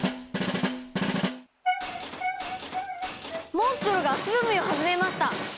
モンストロが足踏みを始めました。